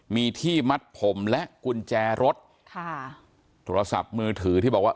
มีที่มัดผมและกุญแจรถค่ะโทรศัพท์มือถือที่บอกว่า